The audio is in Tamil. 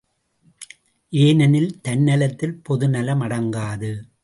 ஏனெனில் தன்னலத்தில் பொது நலம் அடங்காது.